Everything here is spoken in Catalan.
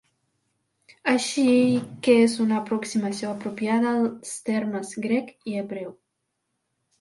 Així que és una aproximació apropiada als termes grec i hebreu.